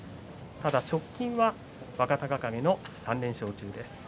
ただ直近は若隆景の３連勝中です。